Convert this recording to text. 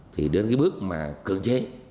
thì đến cái bước mà cưỡng chế